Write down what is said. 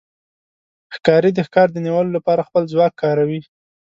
ښکاري د ښکار د نیولو لپاره خپل ځواک کاروي.